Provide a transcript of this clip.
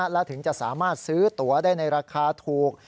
และถึงจะสามารถซื้อตัวได้ในราคาถูก